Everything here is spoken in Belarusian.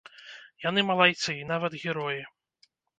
Яны малайцы і нават героі.